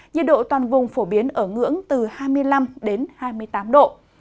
nhiệt độ toàn vùng phổ biến ở ngưỡng từ hai mươi năm đến hai mươi tám độ